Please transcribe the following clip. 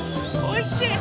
おいしい？